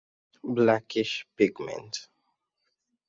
Blackish pigment.